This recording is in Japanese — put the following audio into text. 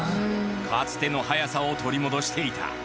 かつての速さを取り戻していた。